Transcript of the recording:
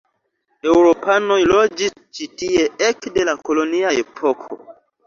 Eŭropanoj loĝis ĉi tie ekde la kolonia epoko.